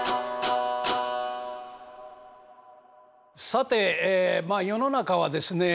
さてまあ世の中はですね